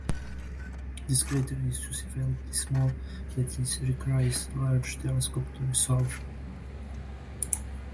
This crater is sufficiently small that it requires a large telescope to resolve.